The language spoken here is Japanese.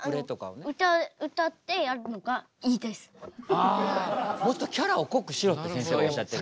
あもっとキャラを濃くしろってせんせいはおっしゃってる。